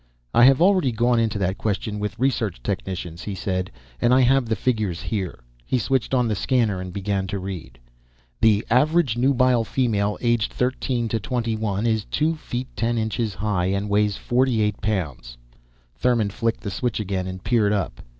"I have already gone into that question with research technicians," he said. "And I have the figures here." He switched on the scanner and began to read. "The average nubile female, aged thirteen to twenty one, is two feet, ten inches high and weighs forty eight pounds." Thurmon flicked the switch again and peered up.